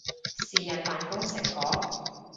是日扮工成果